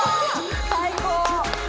最高。